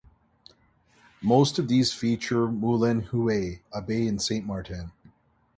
Most of these feature "Moulin Huet", a bay in Saint Martin.